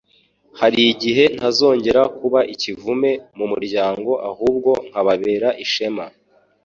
har 'igihe ntazongera kuba ikivume mu muryango ahubwo nkababera ishema